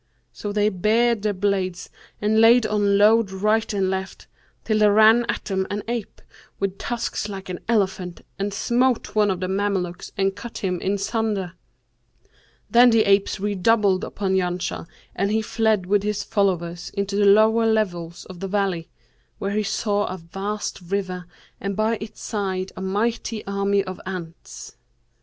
So they bared their blades and laid on load right and left, till there ran at them an ape, with tusks like an elephant, and smote one of the Mamelukes and cut him in sunder. Then the apes redoubled upon Janshah and he fled with his followers into the lower levels of the valley, where he saw a vast river and by its side a mighty army of ants.